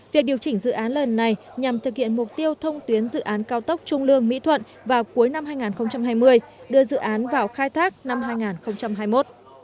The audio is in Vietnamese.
việc điều chỉnh dự án lần này nhằm thực hiện mục tiêu thông tuyến dự án cao tốc trung lương mỹ thuận vào cuối năm hai nghìn hai mươi đưa dự án vào khai thác năm hai nghìn hai mươi một